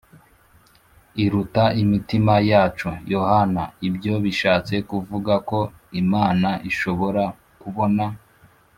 iruta imitima yacu Yohana Ibyo bishatse kuvuga ko Imana ishobora kubona